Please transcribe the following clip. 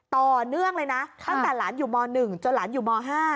ต่อเนื่องเลยนะตั้งแต่หลานอยู่ม๑จนหลานอยู่ม๕